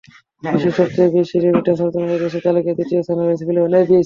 বিশ্বের সবচেয়ে বেশি রেমিট্যান্স অর্জনকারী দেশের তালিকায় তৃতীয় স্থানে রয়েছে ফিলিপাইন।